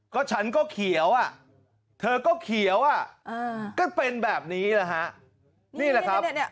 ก็ฉันก็เขียวเธอก็เขียวก็เป็นแบบนี้นี่แหละครับ